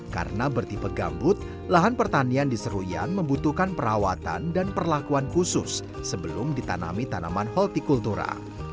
karena bertipe gambut lahan pertanian di seruian membutuhkan perawatan dan perlakuan khusus sebelum ditanami tanaman horticultura